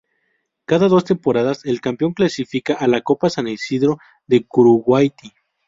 Cada dos temporadas el campeón clasifica a la Copa San Isidro de Curuguaty.